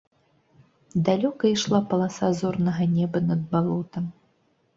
Далёка ішла паласа зорнага неба над балотам.